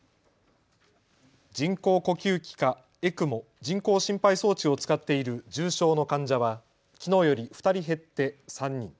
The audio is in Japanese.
人工呼吸器かＥＣＭＯ・人工心肺装置を使っている重症の患者はきのうより２人減って３人。